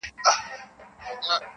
ووایه رویباره پیغامونو ته به څه وایو-